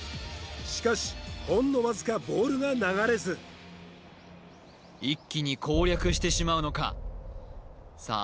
しかしほんのわずかボールが流れず一気に攻略してしまうのかさあ